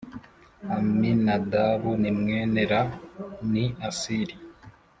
Aminadabu ni mwene ra ni Asiri